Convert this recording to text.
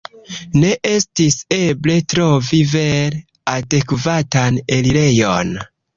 Ne estis eble trovi vere adekvatan elirejon.